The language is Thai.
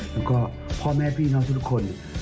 แล้วก็พ่อแม่พี่น้องทุกคน